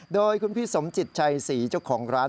โดยคุณพี่สมจิตชัยศรีเจ้าของร้าน